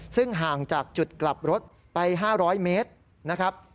ซึ่งห่างจากจุดกลับรถไป๕๐๐เมตรนะครับ